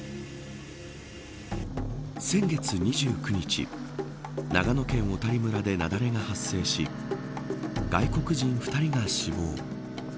先月、２９日長野県小谷村で雪崩が発生し外国人２人が死亡。